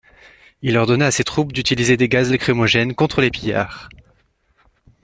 Il ordonna à ses troupes d'utiliser des gaz lacrymogènes contre les pillards.